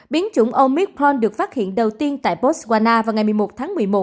biến chủng omicron được phát hiện đầu tiên tại botswana vào ngày một mươi một tháng một mươi một